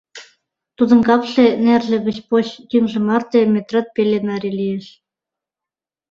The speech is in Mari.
Тудын капше, нерже гыч поч тӱҥжӧ марте, метрат пеле наре лиеш.